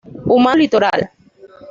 Humano litoral".